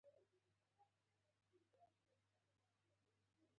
ډرامه د رښتیني ژوند مثال دی